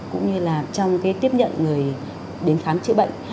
cũng như là trong cái tiếp nhận người đến khám chữa bệnh